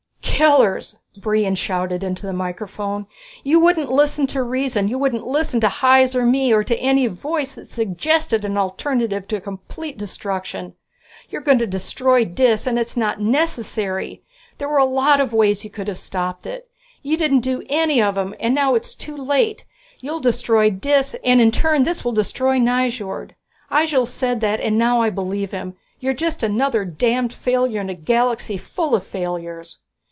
"Killers!" Brion shouted into the microphone. "You wouldn't listen to reason, you wouldn't listen to Hys, or me, or to any voice that suggested an alternative to complete destruction. You are going to destroy Dis, and it's not necessary! There were a lot of ways you could have stopped it. You didn't do any of them, and now it's too late. You'll destroy Dis, and in turn this will destroy Nyjord. Ihjel said that, and now I believe him. You're just another damned failure in a galaxy full of failures!"